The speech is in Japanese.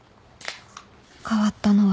変わったのは